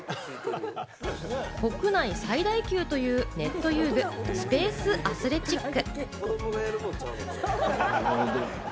国内最大級というネット遊具・スペースあすれちっく。